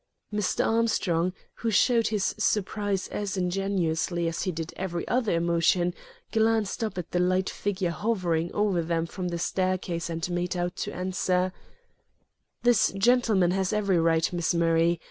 Mr. Armstrong, who showed his surprise as ingenuously as he did every other emotion, glanced up at the light figure hovering over them from the staircase and made out to answer: "This gentleman has every right, Miss Murray.